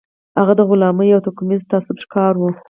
هغه د غلامۍ او توکميز تعصب ښکار و.